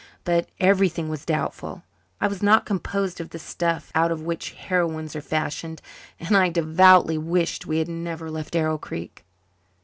But everything was doubtful. I was not composed of the stuff out of which heroines are fashioned and I devoutly wished we had never left Arrow Creek.